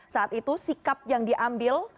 saat itu sikap yang diambil